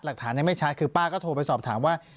ยังไม่ชัดคือป้าก็โทรไปสอบถามว่า